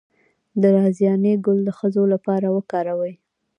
د رازیانې ګل د ښځو لپاره وکاروئ